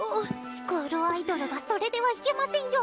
スクールアイドルがそれではいけませんよ。